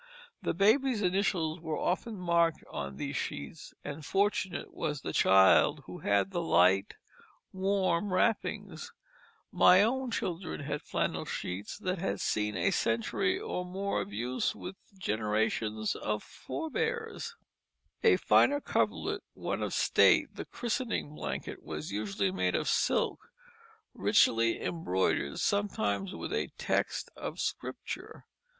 The baby's initials were often marked on these sheets, and fortunate was the child who had the light, warm wrappings. My own children had "flannel sheets" that had seen a century or more of use with generations of forbears. [Illustration: Governor Bradford's Christening Blanket, 1590] A finer coverlet, one of state, the christening blanket, was usually made of silk, richly embroidered, sometimes with a text of Scripture.